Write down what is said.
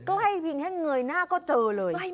มีแค่เงยหน้าก็เจอเลย